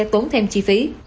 tốn thêm chi phí